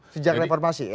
sejak reformasi ya